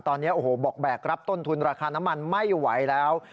ตอนนี้โอ้โหบอกแบกรับต้นทุนราคาน้ำมันไม่ไหวแล้ว